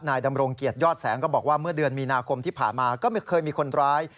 ดำรงเกียรติยอดแสงก็บอกว่าเมื่อเดือนมีนาคมที่ผ่านมาก็ไม่เคยมีคนร้าย